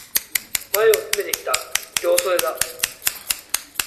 前を詰めてきた、両襟だ。